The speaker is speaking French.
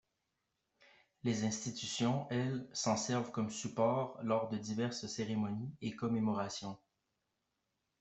Les institutions, elles, s'en servent comme support lors de diverses cérémonies et commémorations.